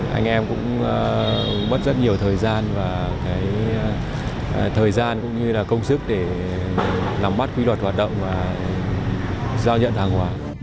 anh em cũng mất rất nhiều thời gian và công sức để làm bắt quy luật hoạt động và giao nhận hàng hóa